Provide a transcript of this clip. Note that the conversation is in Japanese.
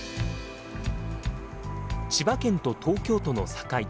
千葉県と東京都の境。